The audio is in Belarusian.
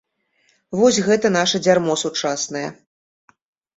Вось гэта наша дзярмо сучаснае.